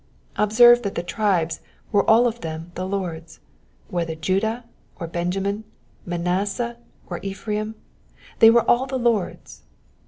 Observe that the tribes were all of them the Lord's ; whether Judah or Benjamin, Man asseh or Ephraim, they were all the Lord's.